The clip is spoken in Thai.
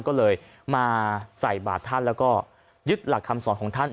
ก็เลยมาใส่บาทท่านแล้วก็ยึดหลักคำสอนของท่าน